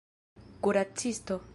kuracisto